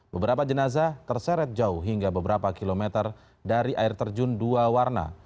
beberapa jenazah terseret jauh hingga beberapa kilometer dari air terjun dua warna